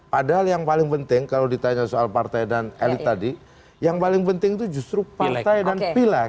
padahal yang paling penting kalau ditanya soal partai dan elit tadi yang paling penting itu justru partai dan pileg